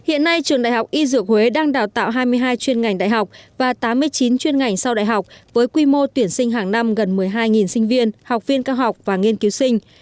hiện nay trường đại học y dược huế đang đào tạo hai mươi hai chuyên ngành đại học và tám mươi chín chuyên ngành sau đại học với quy mô tuyển sinh hàng năm gần một mươi hai sinh viên học viên cao học và nghiên cứu sinh